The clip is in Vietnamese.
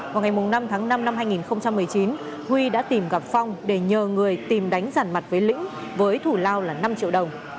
vào ngày năm tháng năm năm hai nghìn một mươi chín huy đã tìm gặp phong để nhờ người tìm đánh rằn mặt với lĩnh với thủ lao là năm triệu đồng